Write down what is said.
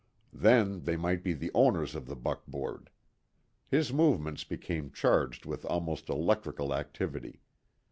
Then, they might be the owners of the buckboard. His movements became charged with almost electrical activity.